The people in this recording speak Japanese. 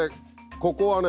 ここはね